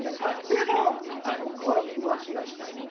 でも、僕は浮気がしたい！